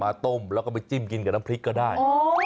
อะไรดีนี่กินกับน้ำพริกก็ได้